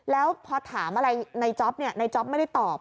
แล้วพอถามอะไรในจ๊อปในจ๊อปไม่ได้ตอบ